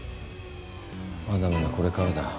まだまだこれからだ。